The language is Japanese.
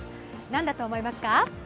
なんだと思いますか？